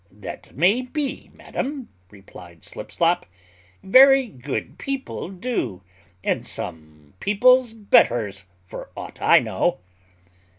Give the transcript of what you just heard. "That may be, madam," replied Slipslop; "very good people do; and some people's betters, for aught I know."